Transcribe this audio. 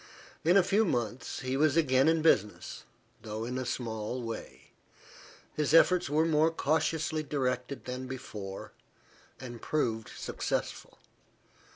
In a few months, he was again in business, though in a small way. His efforts were more cautiously directed than before, and proved successful.